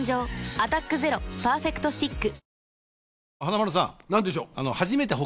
「アタックＺＥＲＯパーフェクトスティック」